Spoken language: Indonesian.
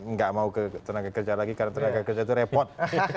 nggak mau ke tenaga kerja lagi karena tenaga kerja itu repot